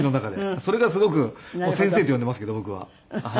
それがすごく先生って呼んでますけど僕は。